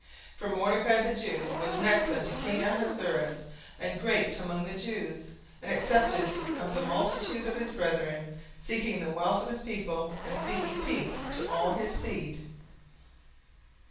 17:010:003 For Mordecai the Jew was next unto king Ahasuerus, and great among the Jews, and accepted of the multitude of his brethren, seeking the wealth of his people, and speaking peace to all his seed.